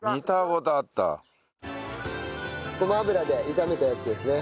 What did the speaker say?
ごま油で炒めたやつですね。